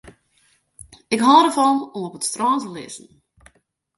Ik hâld derfan om op it strân te lizzen.